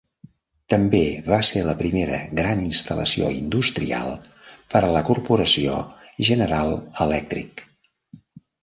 També va ser la primera gran instal·lació industrial per a la corporació General Electric.